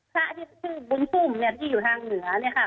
สระที่ชื่อบุญตุ้มที่อยู่ทางเหนือเนี่ยค่ะ